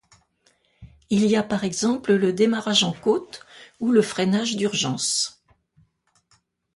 Il y a par exemple le démarrage en côte ou le freinage d'urgence.